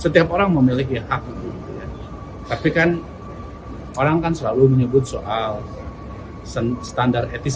setiap orang memiliki hak untung kayak ngerti kan orang akan selalu menyebut soal standar etis